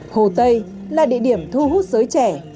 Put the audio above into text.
hồ tây là địa điểm thu hút giới trẻ